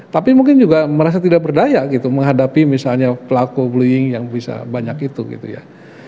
tapi mungkin juga merasa tidak berdaya gitu menghadapi misalnya pelaku bullying yang bisa banyak itu gitu ya